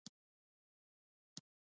د اوبو رسونې شبکې زړې دي؟